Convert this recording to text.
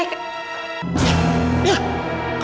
eh kamu juga keluar